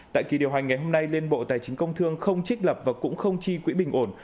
tại kỳ điều hành ngày hôm nay liên bộ tài chính công thương không trích lập và cũng không chi quỹ bình ổn